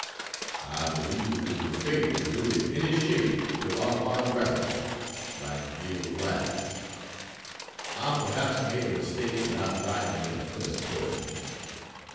I believe it would be fatal to do it in any shape but autobiographically like Gil Blas. I perhaps made a mistake in not writing it in the first person.